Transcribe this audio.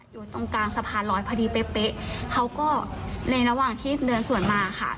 อยู่ตรงกลางสะพานลอยพอดีเป๊ะเป๊ะเขาก็ในระหว่างที่เดินสวนมาค่ะ